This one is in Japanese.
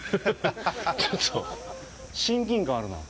ちょっと親近感あるな。